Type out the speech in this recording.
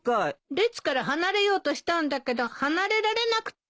列から離れようとしたんだけど離れられなくって。